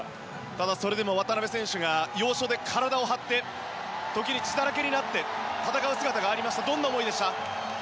ただ、それでも渡邊選手が要所で体を張って時に血だらけになって戦う姿がありましたがどんな思いでしたか。